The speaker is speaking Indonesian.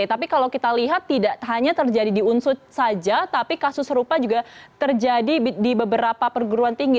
tapi kalau kita lihat tidak hanya terjadi di unsut saja tapi kasus serupa juga terjadi di beberapa perguruan tinggi